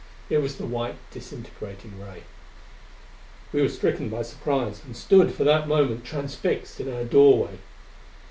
It was the white, disintegrating ray. We were stricken by surprise, and stood for that moment transfixed in our doorway.